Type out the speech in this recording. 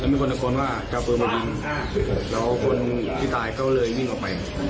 มีคนตะโกนว่าจะเอาปืนมายิงแล้วคนที่ตายก็เลยวิ่งออกไป